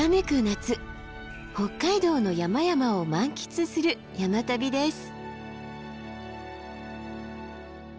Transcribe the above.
夏北海道の山々を満喫する山旅です。